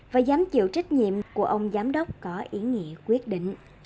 và dám chịu trách nhiệm của ông giám đốc có ý nghĩa quyết định